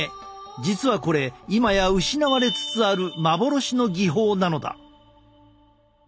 実はこれ今や失われつつある幻の技法なのだ。